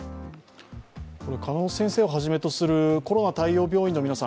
鹿野先生をはじめとするコロナ対応病院の皆さん